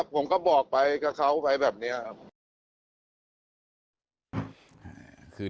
ผมก็บอกไปกับเขาไปแบบนี้ครับ